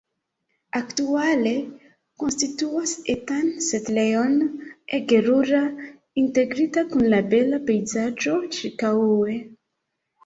Aktuale konstituas etan setlejon ege rura, integrita kun la bela pejzaĝo ĉirkaŭe.